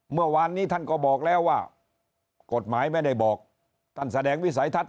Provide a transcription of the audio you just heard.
เมื่อวานนี้ท่านก็บอกแล้วว่ากฎหมายไม่ได้บอกท่านแสดงวิสัยทัศน